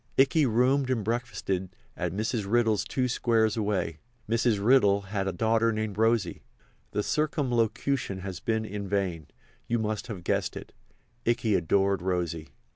Ikey roomed and breakfasted at Mrs. Riddle's two squares away. Mrs. Riddle had a daughter named Rosy. The circumlocution has been in vain—you must have guessed it—Ikey adored Rosy.